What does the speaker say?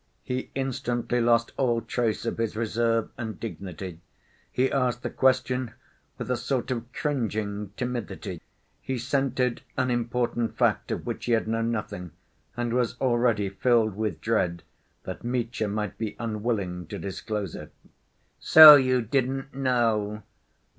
He instantly lost all trace of his reserve and dignity. He asked the question with a sort of cringing timidity. He scented an important fact of which he had known nothing, and was already filled with dread that Mitya might be unwilling to disclose it. "So you didn't know!"